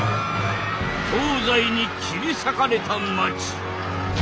東西に切り裂かれた町。